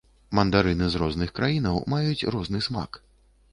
Мандарыны з розных краінаў маюць розны смак.